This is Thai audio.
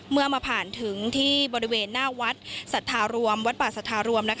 เมื่อมาผ่านถึงที่บริเวณหน้าวัดศรรษฐารวมวัดปะศรษฐารวม